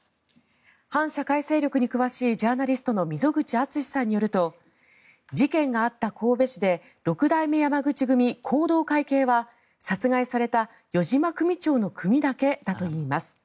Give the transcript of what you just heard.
反社会勢力に詳しいジャーナリストの溝口敦さんによると事件があった神戸市で六代目山口組弘道会系は殺害された余嶋組長の組だけだといいます。